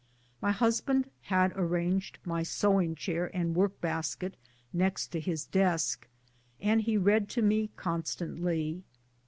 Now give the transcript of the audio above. My husband had arranged my sew ing chair and work basket next to his desk, and he read to me constantly.